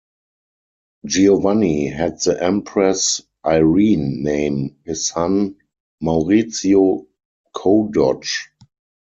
Giovanni had the Empress Irene name his son Maurizio co-doge.